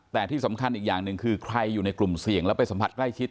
แต่ที่สำคัญอีกอย่างหนึ่งคือใครอยู่ในกลุ่มเสี่ยงแล้วไปสัมผัสใกล้ชิด